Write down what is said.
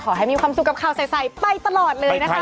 ขอให้มีความสุขกับข่าวใสไปตลอดเลยนะคะ